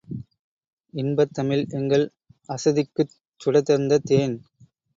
இன்பத்தமிழ் எங்கள் அசதிக்குச் சுடர்தந்த தேன்